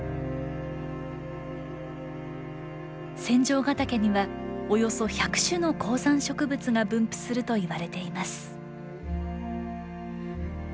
仙丈ヶ岳にはおよそ１００種の高山植物が分布するといわれています。